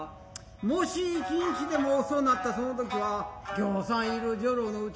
若し一日でも遅うなったその時は仰山いる女郎の内